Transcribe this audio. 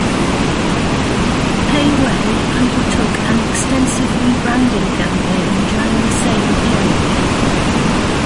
Pei Wei undertook an extensive rebranding campaign during the same period.